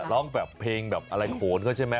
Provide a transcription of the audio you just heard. ร้องเพลงโขนเขาใช่ไหม